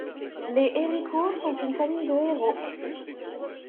Les Héricourt sont une famille de héros.